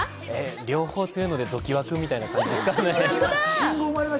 両方強いのでドキワクみたいな感じですかね？